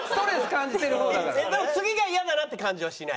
でも次がイヤだなって感じはしない。